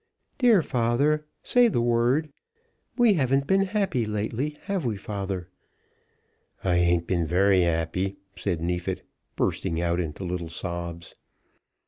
Dear father, say the word. We haven't been happy lately; have we, father?" "I ain't been very 'appy," said Neefit, bursting out into sobs.